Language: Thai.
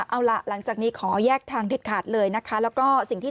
เอาล่ะหลังจากนี้ขอแยกทางเด็ดขาดเลยนะคะแล้วก็สิ่งที่